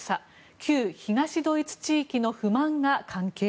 旧東ドイツ地域の不満が関係？